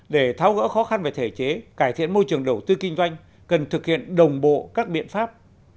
để tháo gỡ khó khăn về thể chế cải thiện môi trường đầu tư kinh doanh cần thực hiện đồng bộ các biện pháp